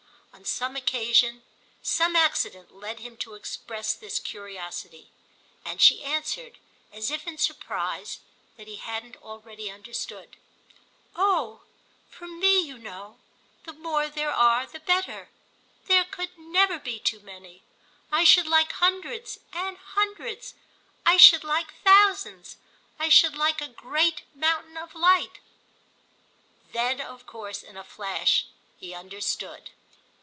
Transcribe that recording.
On some occasion some accident led him to express this curiosity, and she answered as if in surprise that he hadn't already understood. "Oh for me, you know, the more there are the better—there could never be too many. I should like hundreds and hundreds—I should like thousands; I should like a great mountain of light." Then of course in a flash he understood.